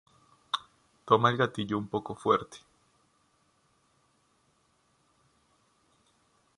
Tome el gatillo un poco fuerte.